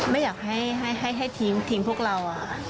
ไม่อยากให้ทิ้งพวกเรา